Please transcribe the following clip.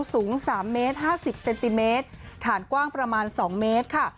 สูง๓เมตร๕๐เซนติเมตรฐานกว้างประมาณ๒เมตรค่ะ